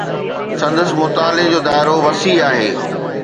سندس مطالعي جو دائرو وسيع آهي.